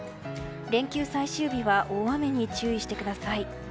連休最終日は大雨に注意してください。